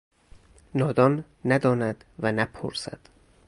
نادان نداند و نپرسد!